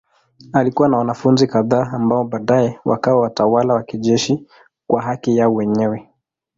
Alikuwa na wanafunzi kadhaa ambao baadaye wakawa watawala wa kijeshi kwa haki yao wenyewe.